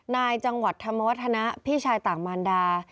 นายจังหวัดธรรมวัฒนะพี่ชายต่างมารดา